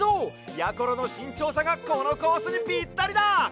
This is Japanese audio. やころのしんちょうさがこのコースにピッタリだ！